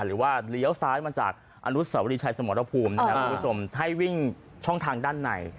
หรือว่าเลี้ยวซ้ายมาจากอนุสาวรีชัยสมรภูมินะครับคุณผู้ชมให้วิ่งช่องทางด้านใน